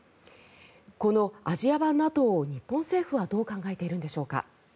このアジア版ＮＡＴＯを日本政府はどう考えているんでしょうか。